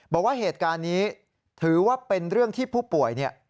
บอกว่าเหตุการณ์นี้ถือว่าเป็นเรื่องที่ผู้ป่วยเนี่ย